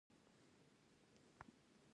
ایا زه باید څاڅکي وکاروم؟